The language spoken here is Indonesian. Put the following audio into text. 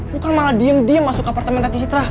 bukan malah diem diem masuk ke apartemen tante citra